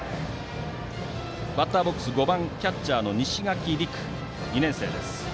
バッターボックス５番、キャッチャーの西垣琉空２年生です。